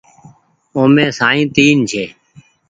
اومي سائين تين ڇي۔